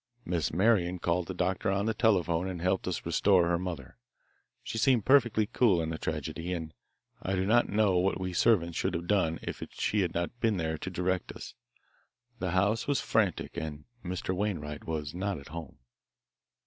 Miss Marian called the doctor on the telephone and helped us restore her mother. She seemed perfectly cool in the tragedy, and I do not know what we servants should have done if she had not been there to direct us. The house was frantic, and Mr. Wainwright was not at home.